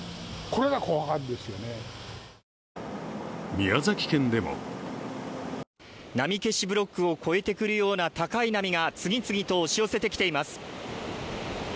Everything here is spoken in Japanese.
宮崎県でも波消しブロックを越えてくるような高い波が次々と押し寄せてきています。